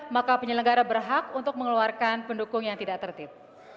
maka penyelenggara berhak untuk mengeluarkan pendukung yang tidak tertib